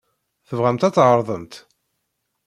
Tebɣamt ad tɛerḍemt?